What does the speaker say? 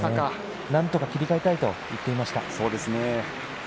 なんとか切り替えたいと言っています。